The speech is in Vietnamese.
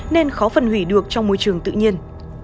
nên khó phân hủy được trong môi trường tự nhiên